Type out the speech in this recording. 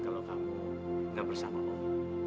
kalau kamu gak bersama om